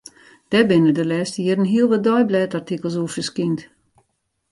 Dêr binne de lêste jierren hiel wat deiblêdartikels oer ferskynd.